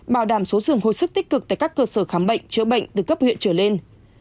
bảo đảm số giường hồi sức tích cực tại các cơ sở khám bệnh chữa bệnh từ cấp huyện trở lên